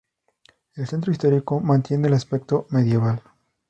El centro histórico mantiene el aspecto medieval.